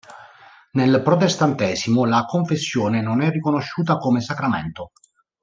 Nel protestantesimo la Confessione non è riconosciuta come sacramento.